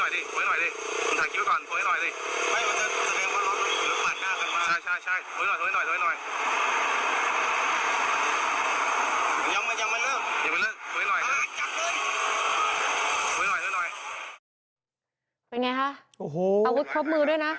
ดูหน่อยดูหน่อยเป็นไงคะโอ้โหอาวุธครบมือด้วยนะ